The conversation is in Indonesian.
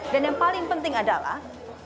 dan yang paling penting adalah